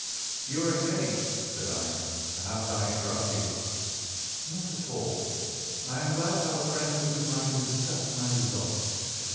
"You are engaged," said I; "perhaps I interrupt you." "Not at all. I am glad to have a friend with whom I can discuss my results.